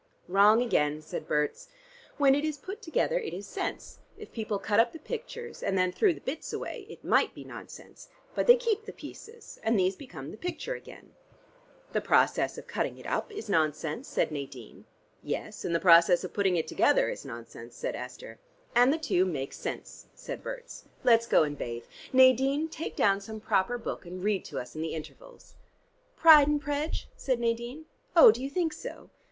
"Wrong again," said Berts. "When it is put together it is sense. If people cut up the pictures and then threw the bits away, it might be nonsense. But they keep the pieces and these become the picture again." "The process of cutting it up is nonsense," said Nadine. "Yes, and the process of putting it together is nonsense," said Esther. "And the two make sense," said Berts. "Let's go and bathe. Nadine, take down some proper book, and read to us in the intervals." "'Pride and Prej?'" said Nadine. "Oh, do you think so?